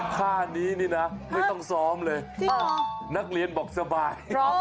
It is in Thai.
ท่านี้นี่นะไม่ต้องซ้อมเลยนักเรียนบอกสบาย